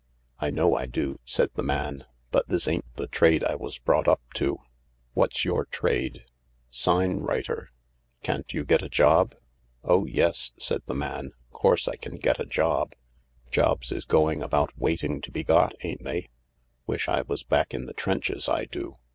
" I know I do," said the man, " but this ain't the trade I was brought up to." "What's your trade ?"" Sign writer." " Can't you get a job ?"" Oh yes," said the m^n, " course I can get a job. Jobs is going about waiting to be got, ain't they ? Wish I was back in the trenches, I do.